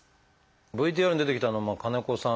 ＶＴＲに出てきた金子さん